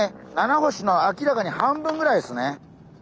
ナナホシの明らかに半分ぐらいですね。